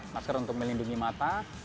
masker untuk melindungi mata